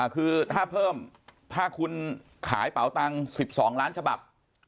คือถ้าเพิ่มถ้าคุณขายเป๋าตังค์๑๒ล้านฉบับ